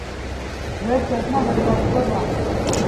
ვერც ერთმა ვერა გაიგო რა